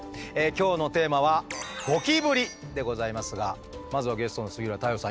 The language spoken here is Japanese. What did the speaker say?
今日のテーマは「ゴキブリ」でございますがまずはゲストの杉浦太陽さんいかがですか？